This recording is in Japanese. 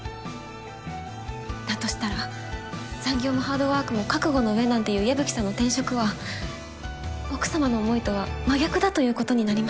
だとしたら残業もハードワークも覚悟のうえなんていう矢吹さんの転職は奥様の思いとは真逆だということになります。